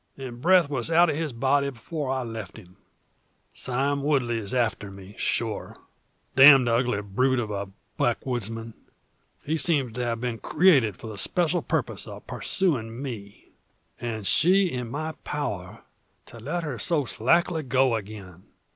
The breath was out of his body before I left him. "Sime Woodley's after me, sure! Damn the ugly brute of a backwoodsman! He seems to have been created for the special purpose of pursuing me? "And she in my power, to let her so slackly go again!